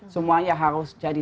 semuanya harus jadi